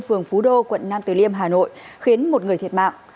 phường phú đô quận nam từ liêm hà nội khiến một người thiệt mạng